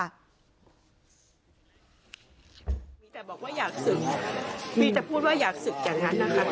มีแต่บอกว่าอยากศึกมีแต่พูดว่าอยากศึกอย่างนั้นนะคะ